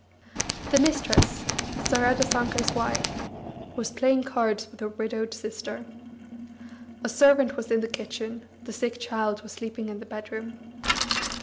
The mistress, Saradasankar's wife, was playing cards with her widowed sister. A servant was in the kitchen, the sick child was sleeping in the bedroom.